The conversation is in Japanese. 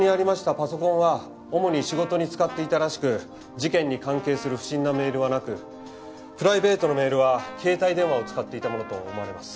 パソコンは主に仕事に使っていたらしく事件に関係する不審なメールはなくプライベートのメールは携帯電話を使っていたものと思われます。